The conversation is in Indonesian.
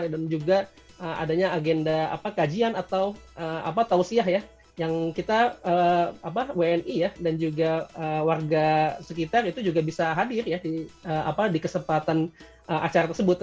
dan juga adanya agenda apa kajian atau apa tausiah ya yang kita wni ya dan juga warga sekitar itu juga bisa hadir ya di kesempatan acara tersebut